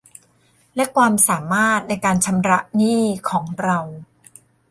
และความสามารถในการชำระหนี้ของเรา